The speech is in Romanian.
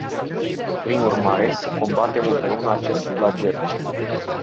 Prin urmare, să combatem împreună acest flagel.